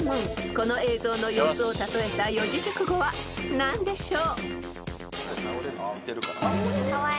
［この映像の様子を例えた四字熟語は何でしょう］